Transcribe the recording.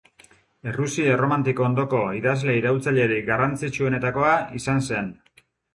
Errusia erromantiko ondoko idazle iraultzailerik garrantzitsuenetakoa izan zen.